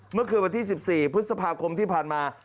เมื่อคืนวันที่๑๔พฤษภาคมที่ผ่านมา